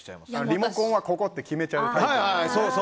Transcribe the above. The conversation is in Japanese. リモコンはここって決めちゃうタイプですね。